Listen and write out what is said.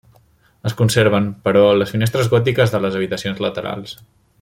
Es conserven, però, les finestres gòtiques de les habitacions laterals.